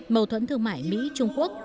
mâu thuẫn thương mại mỹ trung quốc